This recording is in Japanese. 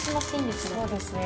そうですね。